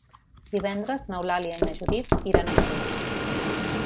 Divendres n'Eulàlia i na Judit iran a Sils.